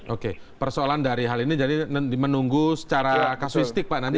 oke persoalan dari hal ini jadi menunggu secara kasuistik pak nanti